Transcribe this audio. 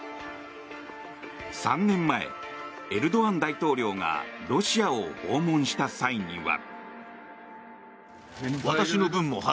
３年前、エルドアン大統領がロシアを訪問した際には。